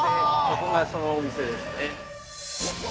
ここがそのお店ですね。